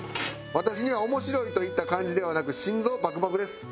「私にはおもしろいと言った感じではなく心臓バクバクです」